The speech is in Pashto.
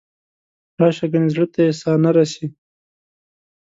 راشه ګنې زړه ته یې ساه نه رسي.